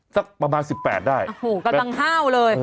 สักประมาณ๑๘ได้แบบอ่าโหกำลังห้าวเลย